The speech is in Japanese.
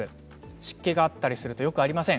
湿気があったりするとよくありません。